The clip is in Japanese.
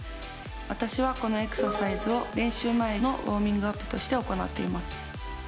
私はこのエクササイズを練習前のウオーミングアップとして行っています。